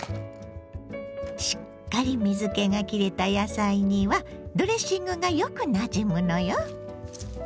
しっかり水けがきれた野菜にはドレッシングがよくなじむのよ。